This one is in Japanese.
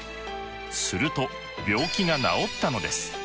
すると病気が治ったのです。